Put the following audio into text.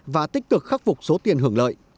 và tích cực khắc phục số tiền hưởng lợi